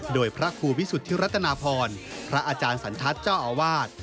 โดยพระครูวิสุทธิรัตนาพรพระอาจารย์สันทัศน์เจ้าอาวาส